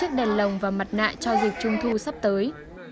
những chiếc đèn lồng và mặt nạ cho dịch trung thu sắp tới